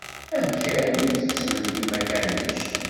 Amek armi d-tettmennim akanic?